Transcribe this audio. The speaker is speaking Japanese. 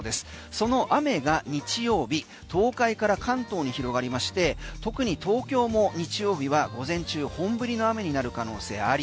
その雨が日曜日東海から関東に広がりまして特に東京も日曜日は午前中本降りの雨になる可能性あり。